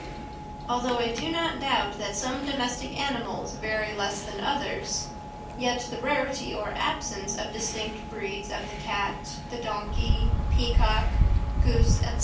Although I do not doubt that some domestic animals vary less than others, yet the rarity or absence of distinct breeds of the cat, the donkey, peacock, goose, &c.